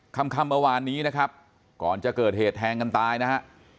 ค่ำเมื่อวานนี้นะครับก่อนจะเกิดเหตุแทงกันตายนะฮะ